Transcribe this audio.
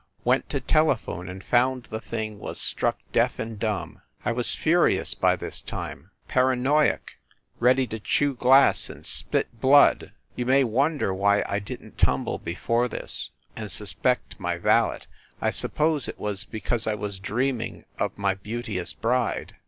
Went to telephone and found the thing was struck deaf and dumb. I was furious by this time, paranoiac, ready to chew glass and split blood. You may wonder why I didn t tumble before this, and suspect my valet. I suppose it was because I was dreaming of my beauteous bride.